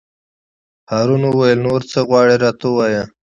هارون وویل: نور څه غواړې راته ووایه.